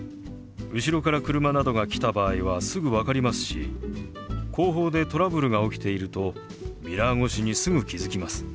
後ろから車などが来た場合はすぐ分かりますし後方でトラブルが起きているとミラー越しにすぐ気付きます。